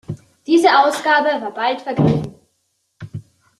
Diese Ausgabe war bald vergriffen.